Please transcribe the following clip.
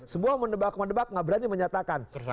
semua mendebak mendebak nggak berani menyatakan